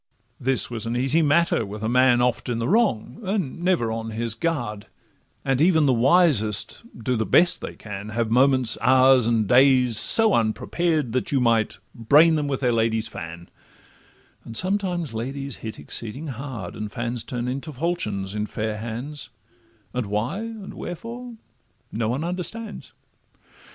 This was an easy matter with a man Oft in the wrong, and never on his guard; And even the wisest, do the best they can, Have moments, hours, and days, so unprepared, That you might 'brain them with their lady's fan;' And sometimes ladies hit exceeding hard, And fans turn into falchions in fair hands, And why and wherefore no one understands.